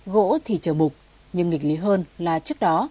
gỗ thì chờ mục nhưng nghịch lý hơn là trước đó